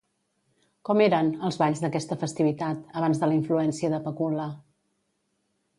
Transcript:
Com eren, els balls d'aquesta festivitat, abans de la influència de Pacul·la?